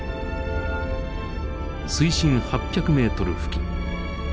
水深８００ｍ付近。